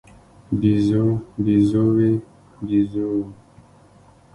بیزو، بیزووې، بیزوو